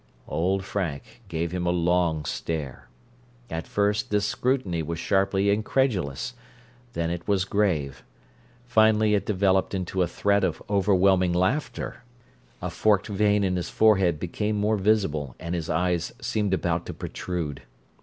Old Frank gave him a long stare. At first this scrutiny was sharply incredulous; then it was grave; finally it developed into a threat of overwhelming laughter; a forked vein in his forehead became more visible and his eyes seemed about to protrude.